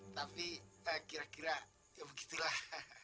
tapi kira kira ya begitulah